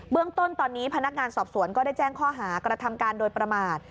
เรื่องต้นตอนนี้พนักงานสอบสวนก็ได้แจ้งข้อหากระทำการโดยประมาท